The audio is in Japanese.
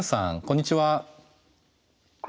こんにちは。